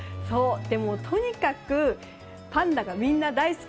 とにかくパンダがみんな大好き。